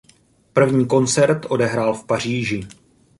První koncert odehrál v Paříži.